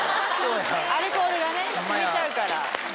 アルコールがね染みちゃうから。